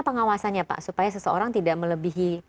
pengawasannya pak supaya seseorang tidak melebihi